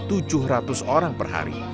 tujuh ratus orang per hari